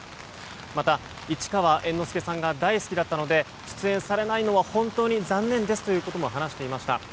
また、市川猿之助さんが大好きだったので出演されないのは本当に残念ですということも話していました。